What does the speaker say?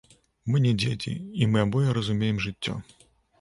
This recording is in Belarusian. Мы не дзеці, і мы абое разумеем жыццё.